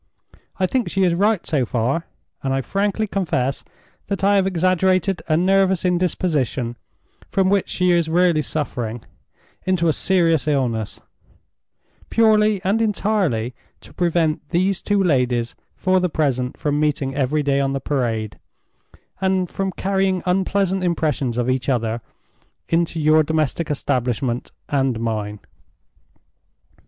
I think she is right so far, and I frankly confess that I have exaggerated a nervous indisposition, from which she is really suffering, into a serious illness—purely and entirely to prevent these two ladies for the present from meeting every day on the Parade, and from carrying unpleasant impressions of each other into your domestic establishment and mine."